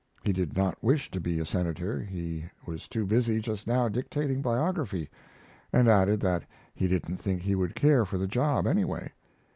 He did not wish to be a Senator; he was too busy just now dictating biography, and added that he didn't think he would care for the job, anyway.